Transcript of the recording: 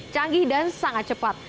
canggih dan sangat cepat